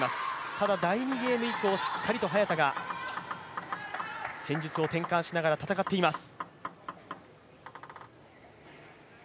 ただ第２ゲーム以降、しっかりと早田が戦術を転換しながら戦っています。